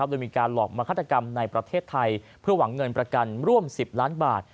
โดยมีการหลอกมาฆาตกรรมในประเทศไทยเพื่อหวังเงินประกันร่วม๑๐ล้านบาท